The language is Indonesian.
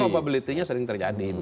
dan probabilitynya sering terjadi